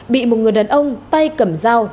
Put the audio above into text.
bị một người đàn ông tay cầm dao